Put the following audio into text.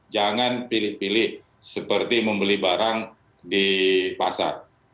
jangan pilih pilih seperti membeli barang di pasar